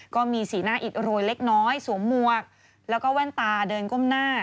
ก็มีสีหน้าอิดโรยเล็กน้อยสวมหมวกแล้วก็แว่นตาเดินก้มหน้า